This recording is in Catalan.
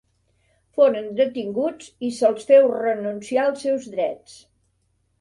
Foren detinguts i se'ls féu renunciar als seus drets.